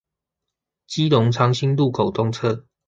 基隆長興路口東側